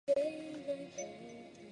在英国他有时被人。